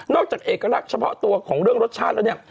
จากเอกลักษณ์เฉพาะตัวของเรื่องรสชาติแล้วเนี่ย